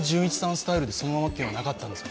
スタイルでそのままというのはなかったんですか？